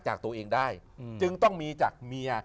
จากตัวเองได้